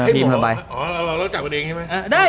อ๋อเราจับกันเองใช่ไหม